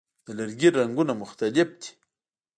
د لرګي رنګونه مختلف دي.